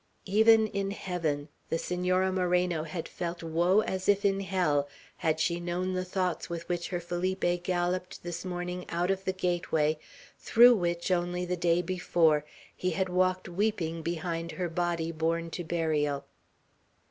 Even in heaven the Senora Moreno had felt woe as if in hell, had she known the thoughts with which her Felipe galloped this morning out of the gateway through which, only the day before, he had walked weeping behind her body borne to burial.